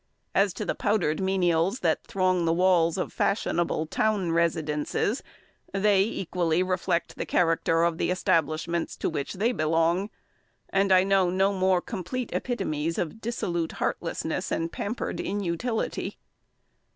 As to the powdered menials that throng the walls of fashionable town residences, they equally reflect the character of the establishments to which they belong; and I know no more complete epitomes of dissolute heartlessness and pampered inutility.